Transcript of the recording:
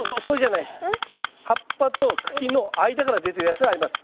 葉っぱと茎の間から出てるやつがあります。